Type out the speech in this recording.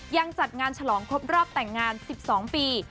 จัดงานฉลองครบรอบแต่งงาน๑๒ปี